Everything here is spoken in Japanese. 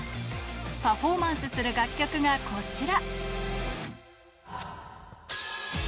パフォーマンスする楽曲がこちら。